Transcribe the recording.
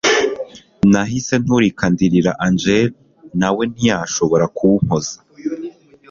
nahise nturika ndirira Angel nawe ntiyashoboraga kumpoza